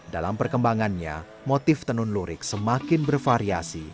dalam perkembangannya motif tenun lurik semakin bervariasi